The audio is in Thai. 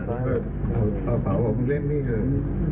เขาบอกเล่นนี่เถอะ